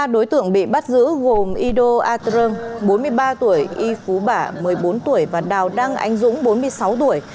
ba đối tượng bị bắt giữ gồm ido atreung bốn mươi ba tuổi y phú bả một mươi bốn tuổi và đào đăng anh dũng bốn mươi sáu tuổi